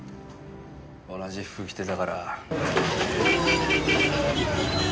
同じ服着てたから。